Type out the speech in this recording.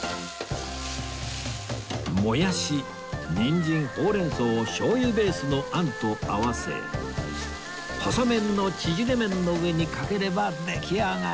もやしにんじんほうれん草を醤油ベースのあんと合わせ細麺の縮れ麺の上にかければ出来上がり